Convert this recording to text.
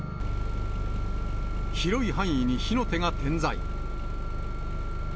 広い範囲に火の手が点在。